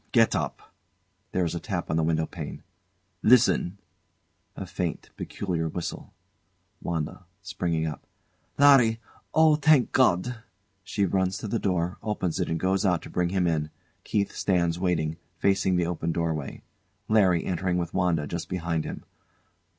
Get up. [There is a tap on the window pane] Listen! [A faint, peculiar whistle. ] WANDA. [Springing up] Larry! Oh, thank God! [She runs to the door, opens it, and goes out to bring him in. KEITH stands waiting, facing the open doorway.] [LARRY entering with WANDA just behind him.